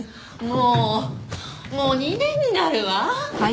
もうもう２年になるわ。